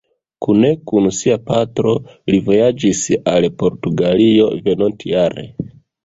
Kune kun sia patro, li vojaĝis al Portugalio venontjare.